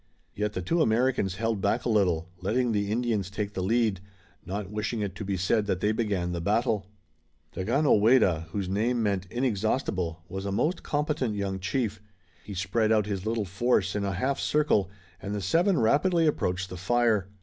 Yet the two Americans held back a little, letting the Indians take the lead, not wishing it to be said that they began the battle. Daganoweda, whose name meant "Inexhaustible," was a most competent young chief. He spread out his little force in a half circle, and the seven rapidly approached the fire.